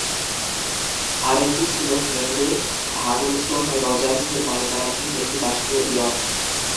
আরেকটি ছিল Henry Huttleston রজার্সের মালিকানাধীন একটি বাষ্পীয় ইয়ট।